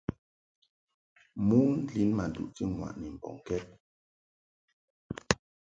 Mon lin ma duʼti ŋwaʼni mbɔŋkɛd.